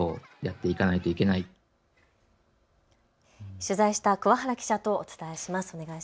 取材した桑原記者とお伝えします。